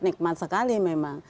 nekmat sekali memang